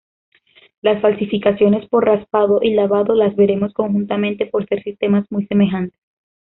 Las falsificaciones por raspado y lavado las veremos conjuntamente por ser sistemas muy semejantes.